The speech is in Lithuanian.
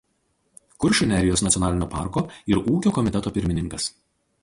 Kuršių nerijos Nacionalinio parko ir ūkio komiteto pirmininkas.